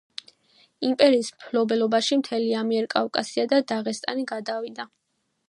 იმპერიის მფლობელობაში მთელი ამიერკავკასია და დაღესტანი გადავიდა.